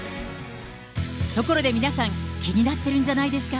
ところで皆さん、気になってるんじゃないですか。